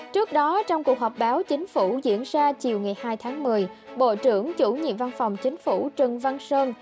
trước đó trong cuộc họp báo chính phủ diễn ra chiều ngày hai tháng một mươi bộ trưởng chủ nhiệm văn phòng chính phủ trần văn sơn